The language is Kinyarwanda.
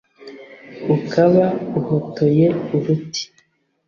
ukaba uhotoye uruti